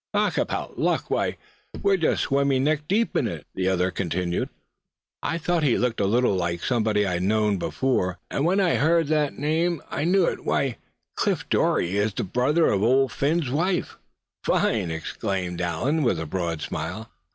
"Talk about luck, why, we're just swimming neck deep in it, suh!" the other continued. "I thought he looked a little like somebody I'd known befoah; and when I heard that name, I knew it; Why, Cliff Dorie is the brother of Old Phin's wife!" "Fine!" exclaimed Allan, with a broad smile.